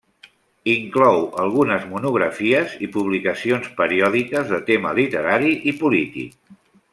Inclou algunes monografies i publicacions periòdiques de tema literari i polític.